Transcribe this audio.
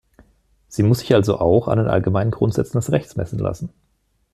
Sie muss sich also auch an den allgemeinen Grundsätzen des Rechts messen lassen.